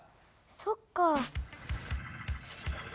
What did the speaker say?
そっか。